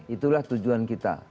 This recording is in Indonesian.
itulah tujuan kita